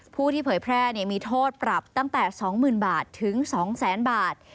ผู้ที่เผยแพร่มีโทษปรับตั้งแต่๒๐๐๐บาทถึง๒แสนบาท